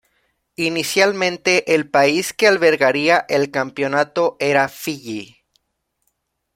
Inicialmente el país que albergaría el campeonato era Fiyi.